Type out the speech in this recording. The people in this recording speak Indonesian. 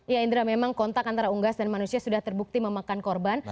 ya indra memang kontak antara unggas dan manusia sudah terbukti memakan korban